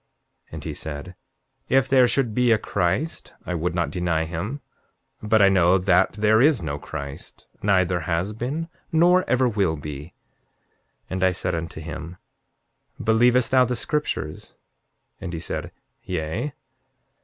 And he said: If there should be a Christ, I would not deny him; but I know that there is no Christ, neither has been, nor ever will be. 7:10 And I said unto him: Believest thou the scriptures? And he said, Yea.